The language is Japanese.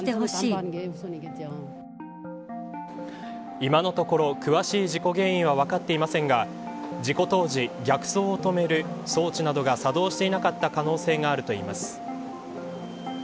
今のところ、詳しい事故原因は分かっていませんが事故当時、逆走を止める装置などが作動していなかった可能性があるといいます。